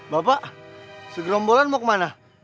bapak segerombolan mau kemana